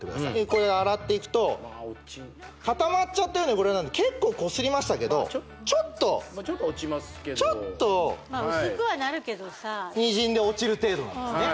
これ洗っていくと固まっちゃった汚れなんで結構こすりましたけどちょっとちょっと落ちますけどちょっとまあ薄くはなるけどさにじんで落ちる程度なんですね